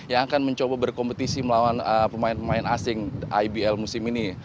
yang akan mencoba berkompetisi melawan pemain pemain asing ibl musim ini